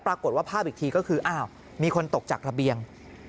ปรากฏว่าภาพอีกทีก็คืออ้าวมีคนตกจากระเบียง